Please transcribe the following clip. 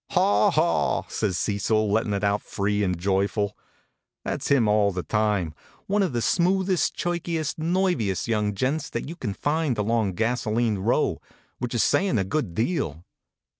"Haw, haw!" says Cecil, lettin it out free and joyful. That s him all the time, one of the smoothest, cherkiest, nerviest young gents that you can find along Gasolene Row, which is sayin a good deal.